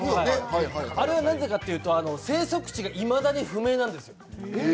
あれはなぜかというと、生息地がいまだに不明なんですよ。